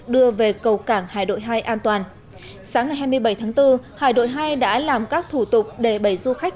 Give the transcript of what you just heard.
đưa về cầu cảng hải đội hai an toàn sáng ngày hai mươi bảy tháng bốn hải đội hai đã làm các thủ tục để bảy du khách